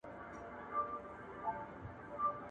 • خداى او مړو سره وپېژندل، مړو او مړو سره و نه پېژندل.